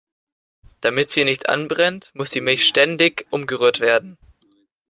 Damit sie nicht anbrennt, muss die Milch ständig umgerührt werden.